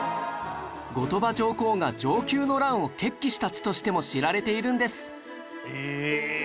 後鳥羽上皇が承久の乱を決起した地としても知られているんです